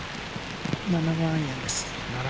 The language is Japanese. ７番アイアンです。